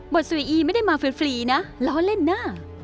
บทสวยอีไม่ได้มาฟรีนะล้อเล่นนะ